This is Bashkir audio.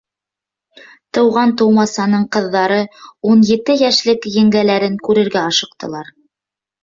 Туған-тыумасаның ҡыҙҙары ун ете йәшлек еңгәләрен күрергә ашыҡтылар.